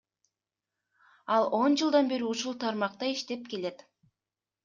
Ал он жылдан бери ушул тармакта иштеп келет.